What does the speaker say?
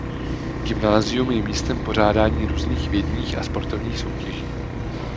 Gymnázium je místem pořádání různých vědních a sportovních soutěží.